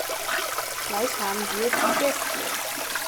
Gleich haben wir die Bestie.